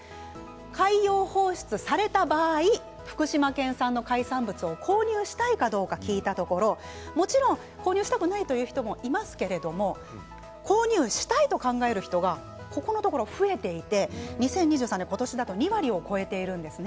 海洋放出された場合福島県産の海産物を購入したいかどうか聞いたところもちろん購入したくないという人もいますけれど購入したいと考える人がここのところ増えていて２０２３年、今年だと２割を超えているんです。